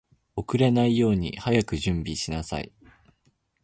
遅れないように早く準備しなさい